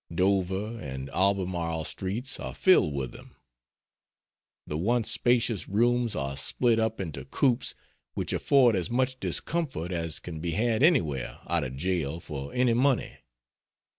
Dover and Albemarle Streets are filled with them. The once spacious rooms are split up into coops which afford as much discomfort as can be had anywhere out of jail for any money.